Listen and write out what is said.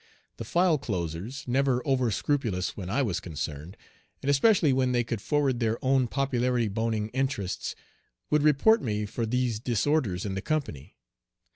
The file closers, never over scrupulous when I was concerned, and especially when they could forward their own "popularity boning" interests, would report me for these disorders in the company.